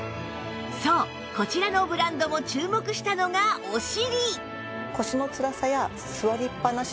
そうこちらのブランドも注目したのがお尻